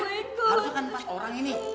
harusnya kan empat orang ini